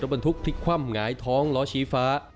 บรรทุกพลิกคว่ำหงายท้องล้อชี้ฟ้า